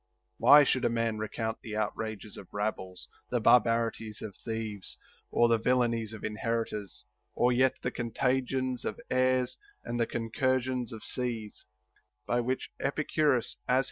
Why should a man recount the outrages of rabbles, the barbarities of thieves, or the villanies of inheritors, or yet the contagions of airs and the concursions of seas, by which Epicurus (as ACCORDING TO EPICURUS.